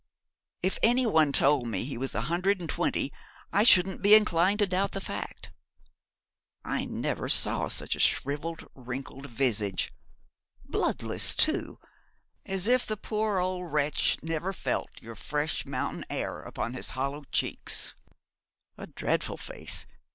If any one told me he were a hundred and twenty I shouldn't be inclined to doubt the fact. I never saw such a shrivelled, wrinkled visage, bloodless, too, as if the poor old wretch never felt your fresh mountain air upon his hollow cheeks. A dreadful face.